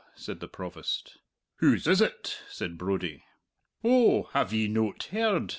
said the Provost. "Whose is it?" said Brodie. "Oh, have ye noat heard?"